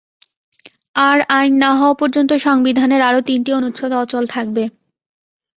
আর আইন না হওয়া পর্যন্ত সংবিধানের আরও তিনটি অনুচ্ছেদ অচল থাকবে।